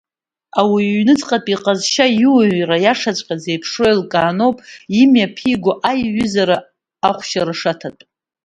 Ауаҩы иҩнуҵҟатәи иҟазшьа, иуаҩра иашаҵәҟьа зеиԥшроу еилкааноуп имҩаԥиго аҩызара ахәшьара шаҭатәу.